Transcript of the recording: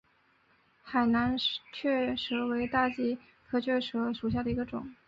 海南雀舌木为大戟科雀舌木属下的一个种。